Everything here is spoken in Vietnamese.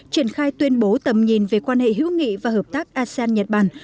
triển khai tuyên bố tầm nhìn về quan hệ hữu nghị và hợp tác asean nhật bản